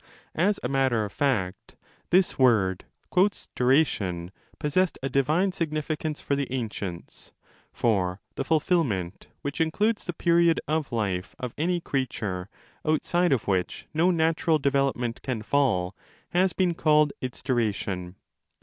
Asa matter of fact, this word 'duration' possessed a divine significance for the ancients, 279° for the fulfilment which includes the period of life of any © creature, outside of which no natural development can fall, has been called its duration.